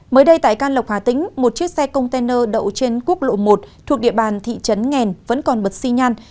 mới đây tại can lộc hà tĩnh một chiếc xe container đậu trên quốc lộ một thuộc địa bàn thị trấn nghèn vẫn còn bật xi nhan